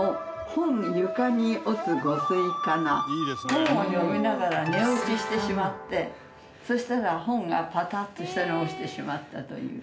本を読みながら寝落ちしてしまってそしたら本がパタッと下に落ちてしまったという。